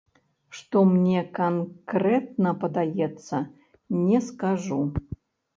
Што мне канкрэтна падаецца, не скажу.